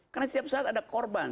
karena setiap saat ada korban